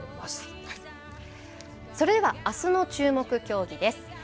それではあすの注目競技です。